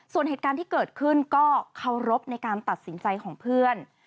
ส่วนเหตุการณ์ที่เกิดขึ้นก็เคารพในการตัดสินใจของเพื่อน